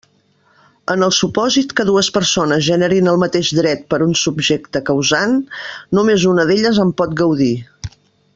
En el supòsit que dues persones generin el mateix dret per un subjecte causant, només una d'elles en pot gaudir.